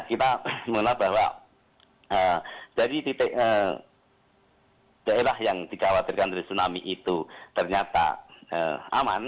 kita mengenal bahwa dari daerah yang tidak khawatirkan dari tsunami itu ternyata aman